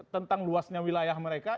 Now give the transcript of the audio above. tentang luasnya wilayah mereka